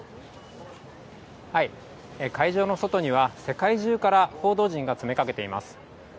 会場の外には、世界中から報道陣が詰めかけています。